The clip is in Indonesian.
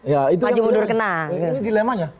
ya itu kan maju mundur kenang ini dilemanya